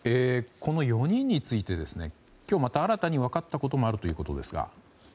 この４人について今日また新たに分かったこともあるということですが。